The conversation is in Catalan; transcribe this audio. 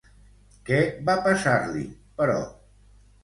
Què va passar-li, però?